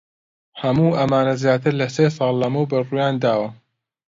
هەموو ئەمانە زیاتر لە سێ ساڵ لەمەوبەر ڕوویان داوە.